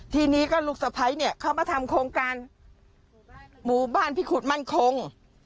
ทีนี้ก็ลูกสะพ้ายเนี่ยเขามาทำโครงการหมู่บ้านพิขุดมั่นคง